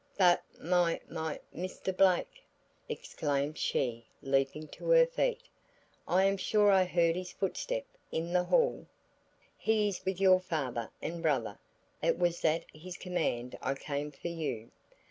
"But my my Mr. Blake?" exclaimed she leaping to her feet. "I am sure I heard his footstep in the hall?" "He is with your father and brother. It was at his command I came for you."